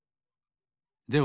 では